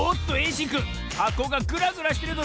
しんくんはこがグラグラしてるぞ。